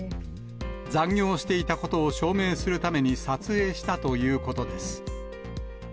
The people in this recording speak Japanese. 残業していたことを証明するために撮影したということです。